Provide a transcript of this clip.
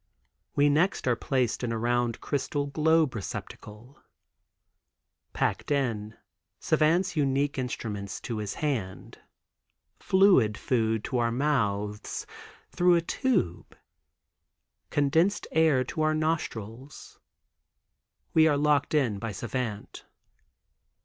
We next are placed in a round crystal globe receptacle. Packed in, Savant's unique instruments to his hand. Fluid food to our mouths through a tube. Condensed air to our nostrils. We are locked in by Savant.